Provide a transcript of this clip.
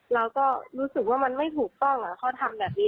เราก็รู้สึกว่ามันไม่ถูกต้องเขาทำแบบนี้